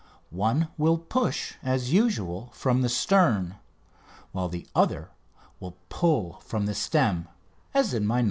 One will push, as usual, from the stern, while the other will pull from the stem, as in my "No.